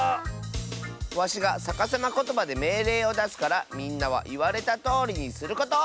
わしがさかさまことばでめいれいをだすからみんなはいわれたとおりにすること！